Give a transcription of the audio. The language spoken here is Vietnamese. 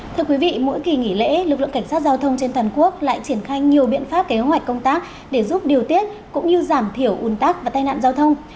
thưa quý vị mỗi kỳ nghỉ lễ lực lượng cảnh sát giao thông trên toàn quốc lại triển khai nhiều biện pháp kế hoạch công tác để giúp điều tiết cũng như giảm thiểu un tắc và tai nạn giao thông